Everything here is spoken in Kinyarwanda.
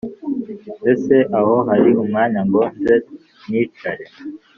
Ese aho hari umwanya ngo nze nicare